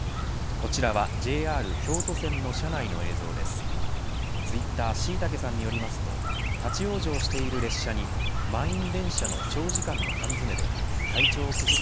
こちらはＪＲ京都線の車内の映像です。